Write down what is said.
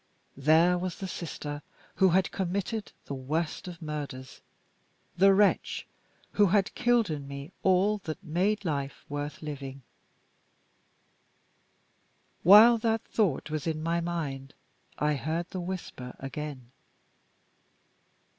There, was the sister who had committed the worst of murders the wretch who had killed in me all that made life worth having. While that thought was in my mind, I heard the whisper again.